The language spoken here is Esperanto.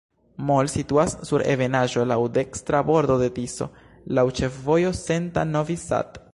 Mol situas sur ebenaĵo, laŭ dekstra bordo de Tiso, laŭ ĉefvojo Senta-Novi Sad.